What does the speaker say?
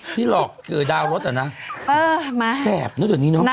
ที่หลอกเกิดดาวรถอ่ะนะแซ่บตอนนี้เนอะ